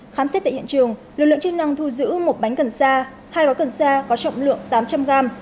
khám xét tại hiện trường lực lượng chức năng thu giữ một bánh cần sa hai gói cần sa có trọng lượng tám trăm linh g